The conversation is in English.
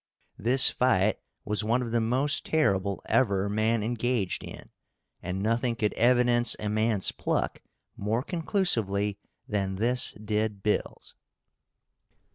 This fight was one of the most terrible ever man engaged in, and nothing could evidence a man's pluck more conclusively than this did Bill's.